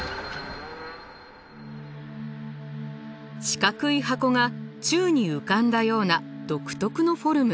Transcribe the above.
四角い箱が宙に浮かんだような独特のフォルム。